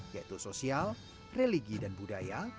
yaitu sosial religi dan budaya